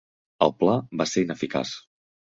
El pla va ser ineficaç.